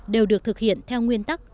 đều được thực hiện theo nguyên tắc